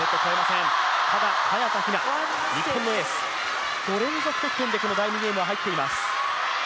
ただ、早田ひな、日本のエース、５連続得点でこの第２ゲームは入っています。